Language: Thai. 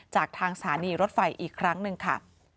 จากทางสถานีรถไฟอีกครั้งหนึ่งค่ะ